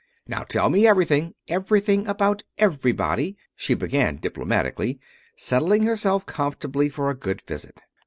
"Now tell me everything everything about everybody," she began diplomatically, settling herself comfortably for a good visit.